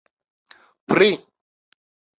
pri